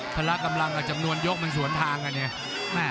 ครากำลังกับจำนวนยกมันสวนทางของเนี้ย